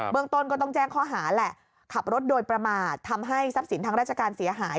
เมืองต้นก็ต้องแจ้งข้อหาแหละขับรถโดยประมาททำให้ทรัพย์สินทางราชการเสียหาย